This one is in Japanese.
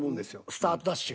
スタートダッシュ。